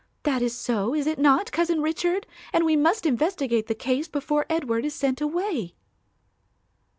That is so, is it not, Cousin Richard? and we must investigate the case before Edward is sent away."